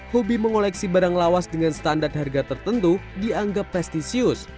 hobi mengoleksi barang lawas dengan standar harga tertentu dianggap prestisius